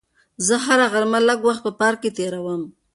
زه هره غرمه لږ وخت په پارک کې تېروم.